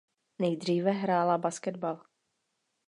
Nejdříve hrála basketbal.